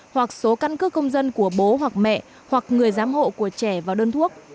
hoặc số căn cước công dân của bố hoặc mẹ hoặc người giám hộ của trẻ vào đơn thuốc